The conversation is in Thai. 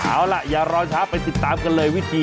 เอาล่ะอย่ารอช้าไปติดตามกันเลยวิธี